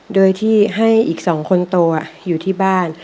โดยที่ให้อีก๒คนโตอยู่ที่บ้าน